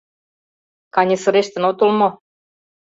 Каньысырештын отыл мо?